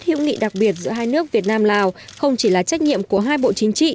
hữu nghị đặc biệt giữa hai nước việt nam lào không chỉ là trách nhiệm của hai bộ chính trị